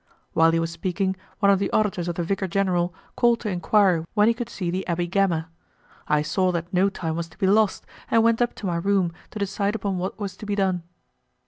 While he was speaking, one of the auditors of the Vicar General called to enquire when he could see the Abby Gama. I saw that no time was to be lost, and went up to my room to decide upon what was to be done.